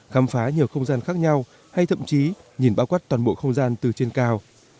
khám phá nhiều không gian khác nhau hay thậm chí nhìn bao quát toàn bộ không gian từ trên cao